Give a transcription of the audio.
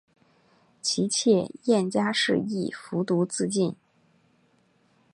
其妾燕佳氏亦服毒自尽。